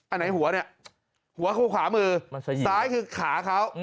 อันไหนหัวเนี่ยหัวคู่ขวามือซ้ายคือขาเขา